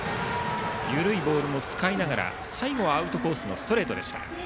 緩いボールも使いながら最後はアウトコースのストレートでした。